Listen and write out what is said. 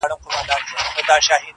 مار ژوندی ورڅخه ولاړی گړندی سو؛